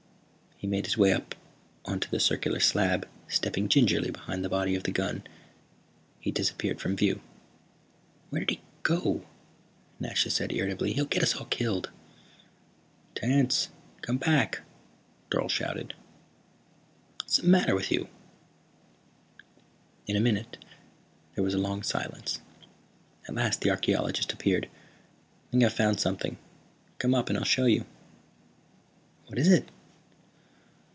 He made his way up onto the circular slab, stepping gingerly behind the body of the gun. He disappeared from view. "Where did he go?" Nasha said irritably. "He'll get us all killed." "Tance, come back!" Dorle shouted. "What's the matter with you?" "In a minute." There was a long silence. At last the archeologist appeared. "I think I've found something. Come up and I'll show you." "What is it?"